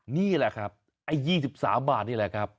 นี่แหละครับไอ้๒๓บาทนี่แหละครับ